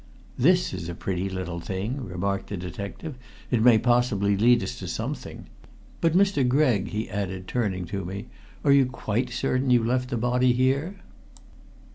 "This is a pretty little thing!" remarked the detective. "It may possibly lead us to something. But, Mr. Gregg," he added, turning to me, "are you quite certain you left the body here?"